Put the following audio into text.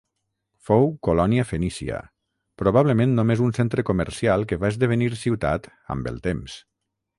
Fou colònia fenícia, probablement només un centre comercial que va esdevenir ciutat amb el temps.